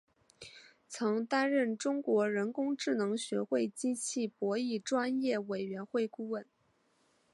曾担任中国人工智能学会机器博弈专业委员会顾问。